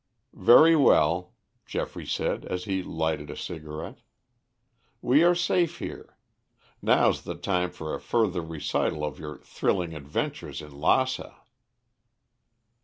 "Very well," Geoffrey said as he lighted a cigarette. "We are safe here. Now's the time for a further recital of your thrilling adventures in Lassa."